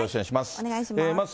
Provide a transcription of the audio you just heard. お願いします。